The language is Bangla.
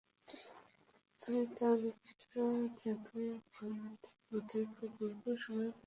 আমি তা অনেকটা যাদুগ্রস্তের মতোই খুব অল্প সময়ে পড়ে ফেললাম।